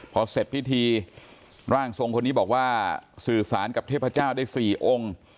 พอเสร็จพิธีร่างทรงคนนี้บอกว่าสื่อสารกับเทพเจ้าได้๔องค์